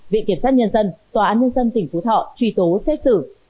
viện kiểm sát nhân dân tòa án nhân dân tỉnh phú thọ truy tố xét xử